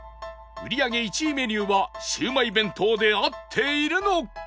売り上げ１位メニューはシウマイ弁当で合っているのか？